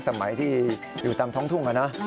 สมัยที่อยู่ตามท้องทุ่งนะ